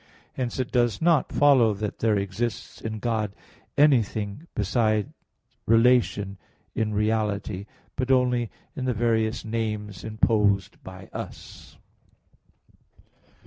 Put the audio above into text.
Hence it does not follow that there exists in God anything besides relation in reality; but only in the various names imposed by us.